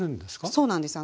そうなんですよ。